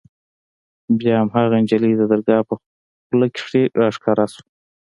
بيا هماغه نجلۍ د درګاه په خوله کښې راښکاره سوه.